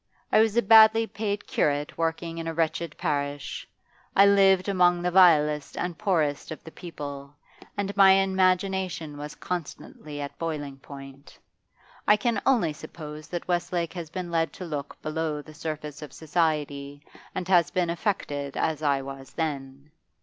I was a badly paid curate working in a wretched parish. I lived among the vilest and poorest of the people, and my imagination was constantly at boiling point. I can only suppose that Westlake has been led to look below the surface of society and has been affected as I was then.